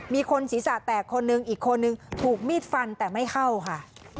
มีผู้สิสะแตกคนนึงอีกคนหนึ่งถูกมีดฟันแต่ไม่เข้าค่ะ